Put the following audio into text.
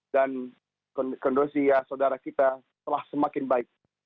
dan kondisi saudara kita telah semakin baik